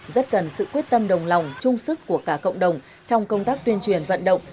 rất cần sự quyết tâm đồng lòng trung sức của cả cộng đồng trong công tác tuyên truyền vận động